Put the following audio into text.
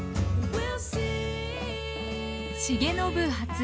「重信初江